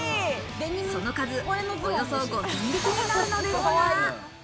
その数、およそ５０００匹になるのですが。